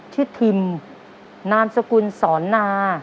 ชื่อทิมนามสกุลซรนา